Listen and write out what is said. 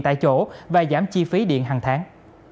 tại chỗ và giảm chi phí điện hằng tháng